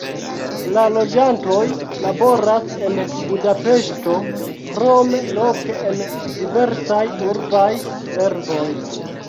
La loĝantoj laboras en Budapeŝto, krome loke en diversaj urbaj servoj.